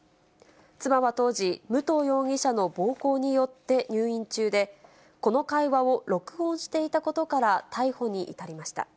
妻は当時、武藤容疑者の暴行によって入院中で、この会話を録音していたことから逮捕に至りました。